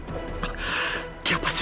dia pasti akan menangis ini